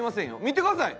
見てください！